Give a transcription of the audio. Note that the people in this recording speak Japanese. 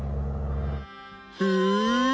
へえ。